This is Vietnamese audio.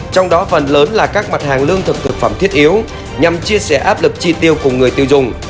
trong đó phần lớn là các mặt hàng lương thực thực phẩm thiết yếu nhằm chia sẻ áp lực tri tiêu của người tiêu dùng